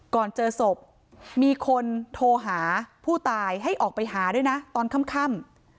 ก่อนเจอศพมีคนโทรหาผู้ตายให้ออกไปหาด้วยนะตอนค่ำ